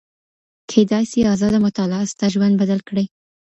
کيدای سي ازاده مطالعه ستا ژوند بدل کړي.